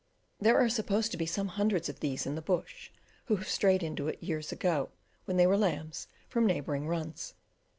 There are supposed to be some hundreds of these in the bush who have strayed into it years ago, when they were lambs, from neighbouring runs.